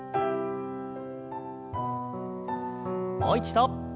もう一度。